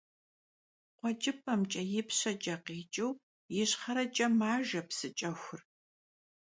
Khueç'ıp'emç'e yipşeç'e khiç'ıu yişxhereç'e majje psı Ç'exur.